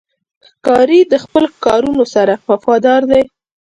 ښکاري د خپلو ښکارونو سره وفادار دی.